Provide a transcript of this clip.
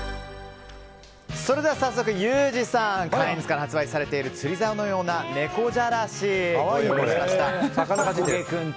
それでは早速ユージさんカインズから発売されている釣りざおのような猫じゃらしをご用意しました。